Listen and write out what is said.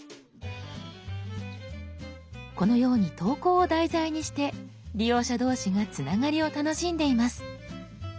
このように投稿を題材にして利用者同士がつながりを楽しんでいます。